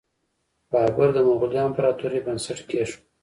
بابر د مغولي امپراتورۍ بنسټ کیښود.